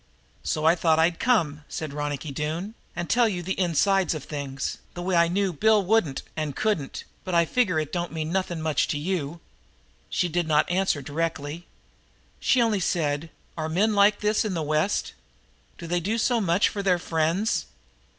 "So I thought I'd come," said Ronicky Doone, "and tell you the insides of things, the way I knew Bill wouldn't and couldn't, but I figure it don't mean nothing much to you." She did not answer directly. She only said: "Are men like this in the West? Do they do so much for their friends?"